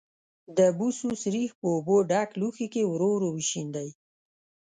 د بوسو سريښ په اوبو ډک لوښي کې ورو ورو وشیندئ.